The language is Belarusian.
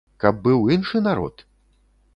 Каб быў іншы народ?